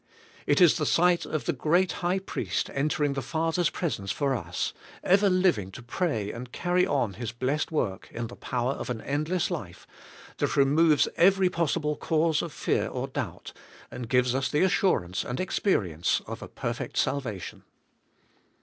It is the sight of the great High Priest entering the Father's presence for us, ever living to pray and carry on His blessed work in the power of an endless life, that removes every possible cause of fear or doubt, and gives us the assurance and experience of a per fect salvation.